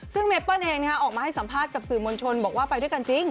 ซึ่งเมเปิ้ลเองออกมาให้สัมภาษณ์กับสื่อมวลชนบอกว่าไปด้วยกันจริง